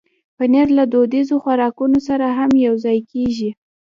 پنېر له دودیزو خوراکونو سره هم یوځای کېږي.